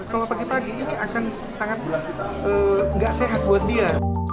kalau pagi pagi ini akan sangat gak sehat buat dia